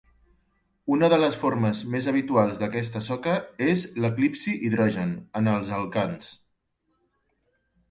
Una de les formes més habituals d'aquesta soca és l'eclipsi hidrogen, en els alcans.